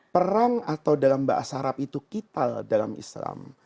perang atau dalam bahasa arab itu kital dalam islam